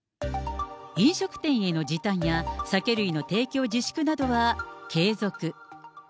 飲食店への時短や酒類の提供自粛などは継続。